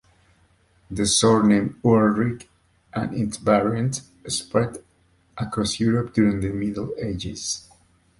The surname "Ulrich", and its variants, spread across Europe during the Middle Ages.